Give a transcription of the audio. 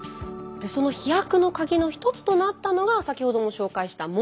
その飛躍のカギの一つとなったのが先ほどご紹介したモンキーターンです。